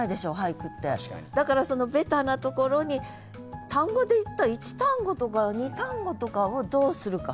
だからそのベタなところに単語でいったら１単語とか２単語とかをどうするか。